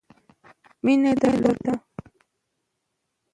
مینه درلوده.